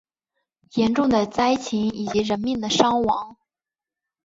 严重的灾情以及人命的伤亡